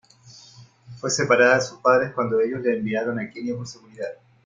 Fue separada de sus padres cuando ellos la enviaron a Kenia por seguridad.